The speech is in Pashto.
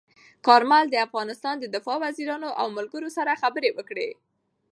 کارمل د افغانستان د دفاع وزیرانو او ملګرو سره خبرې کړي.